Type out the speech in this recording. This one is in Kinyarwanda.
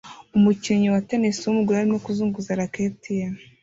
Umukinnyi wa tennis wumugore arimo kuzunguza racket ye